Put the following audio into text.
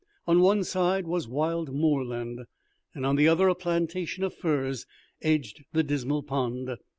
On one side was wild moorland, and on the other a plantation of firs edged the dismal pond.